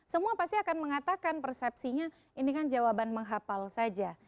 semua pasti akan mengatakan persepsinya ini kan jawaban menghapal saja